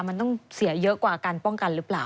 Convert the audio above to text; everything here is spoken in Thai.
มันต้องเสียเยอะกว่าการป้องกันหรือเปล่า